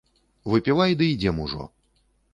Выпівай ды ідзём ужо.